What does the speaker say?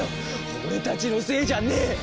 俺たちのせいじゃねえ！